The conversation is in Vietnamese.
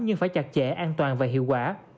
nhưng phải chặt chẽ an toàn và hiệu quả